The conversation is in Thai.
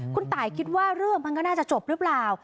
คุณตายคิดว่าเรื่องมันก็น่าจะจบหรือเปล่า